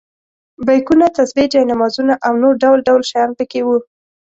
بیکونه، تسبیح، جاینمازونه او نور ډول ډول شیان په کې وو.